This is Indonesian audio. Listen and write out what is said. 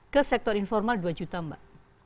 ke sektor informal dua juta mbak